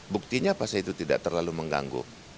buktinya pasti itu tidak terlalu mengganggu